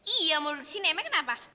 iya mau duduk sini emang kenapa